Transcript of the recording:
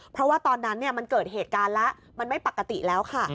เพราะว่าตอนนั้นมันเกิดเหตุการณ์แล้วมันไม่ปกติแล้วค่ะ